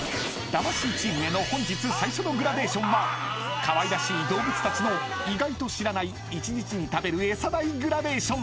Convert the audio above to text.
［魂チームへの本日最初のグラデーションはかわいらしい動物たちの意外と知らない１日に食べるエサ代グラデーション］